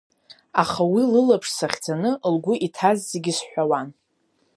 Аха уи лылаԥш сахьӡаны, лгәы иҭаз зегьы сҳәауан!